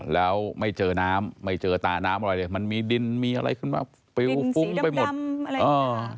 แล้วไม่เจอน้ำไม่เจอตาน้ำอะไรเลยมันมีดินมีอะไรขึ้นมาดินสีดำดำอะไรอยู่